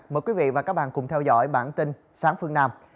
mời quý vị và các bạn cùng theo dõi bản tin sáng phương nam